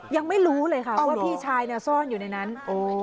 ยังไม่รู้เลยค่ะว่าพี่ชายเนี่ยซ่อนอยู่ในนั้น